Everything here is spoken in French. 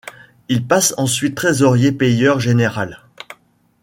Il passe ensuite trésorier-payeur général.